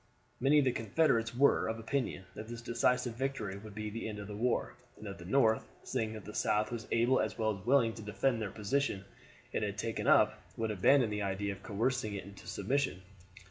Many of the Confederates were of opinion that this decisive victory would be the end of the war, and that the North, seeing that the South was able as well as willing to defend the position it had taken up, would abandon the idea of coercing it into submission.